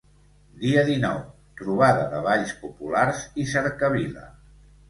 Dia dinou: trobada de Balls populars i cercavila.